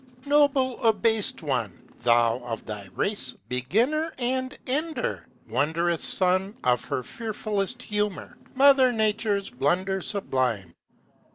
Noble abased one! Thou, of thy race beginner and ender! Wondrous son of her fearfulest humor, Mother Nature's blunder sublime!